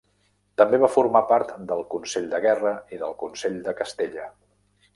També va formar part del Consell de Guerra i del Consell de Castella.